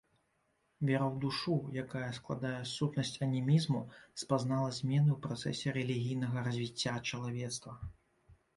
Вера ў душу, якая складае сутнасць анімізму, спазнала змены ў працэсе рэлігійнага развіцця чалавецтва.